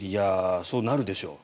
そうなるでしょう。